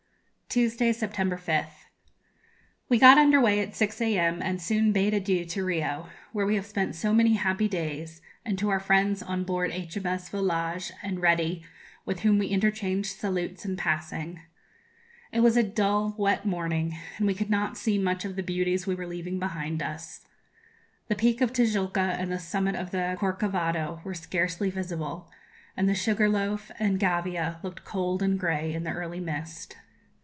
_ Tuesday, September 5th. We got under way at 6 a.m., and soon bade adieu to Rio, where we have spent so many happy days, and to our friends on board H.M.S. 'Volage' and 'Ready,' with whom we interchanged salutes in passing. It was a dull wet morning, and we could not see much of the beauties we were leaving behind us. The peak of Tijuca and the summit of the Corcovado were scarcely visible, and the Sugarloaf and Gavia looked cold and grey in the early mist.